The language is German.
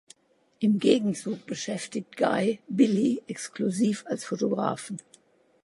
Im Gegenzug beschäftigt Guy Billy exklusiv als Fotografen.